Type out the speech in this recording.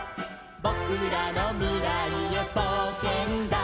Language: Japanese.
「ぼくらのみらいへぼうけんだ」